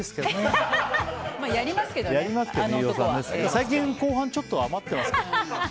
最近、後半ちょっと余ってますからね。